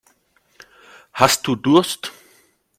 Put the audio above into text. Hast du Durst?